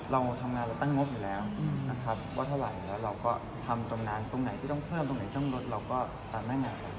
เราทำงานเราตั้งงบอยู่แล้วนะครับว่าเท่าไหร่แล้วเราก็ทำตรงนั้นตรงไหนที่ต้องเพิ่มตรงไหนต้องลดเราก็ตามหน้างานเรา